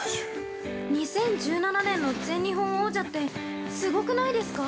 ◆２０１７年の全日本王者ってすごくないですか？